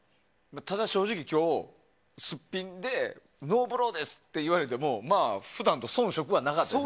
ただ正直、今日すっぴんでノーブローです！って言われても、まあ、普段とそん色はなかったです。